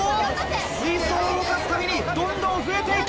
水槽を動かすたびにどんどん増えて行く！